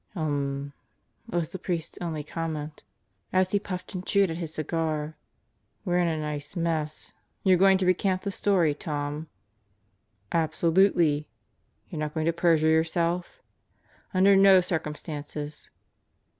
"Ummm," was the priest's only comment as he puffed and 172 God Goes to Murderer's Row chewed at his cigar. "We're in a nice mess. You're going to recant the story, Tom?" "Absolutely." "You're not going to perjure yourself." "Under no circumstances."